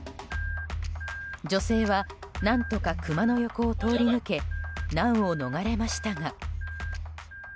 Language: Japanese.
女性は何とかクマの横を通り抜け難を逃れましたが。